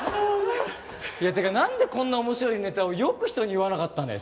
いやってかなんでこんな面白いネタをよく人に言わなかったね。